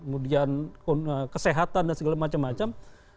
kemudian kesehatan dan segala macam macam